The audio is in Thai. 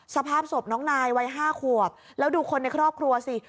สภาพศพน้องนายวัย๕ขวบแล้วดูคนในครอบครัวสิ